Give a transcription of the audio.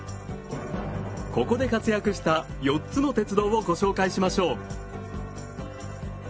ここで活躍した４つの鉄道をご紹介しましょう。